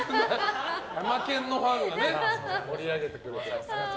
ヤマケンのファンがね盛り上げてくれて。